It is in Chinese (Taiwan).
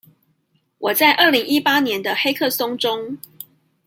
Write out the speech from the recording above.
我在二零一八年的黑客松中